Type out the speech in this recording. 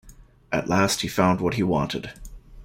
At last he found what he wanted.